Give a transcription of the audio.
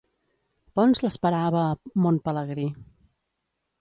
Ponç l'esperava a Mont Pelegrí.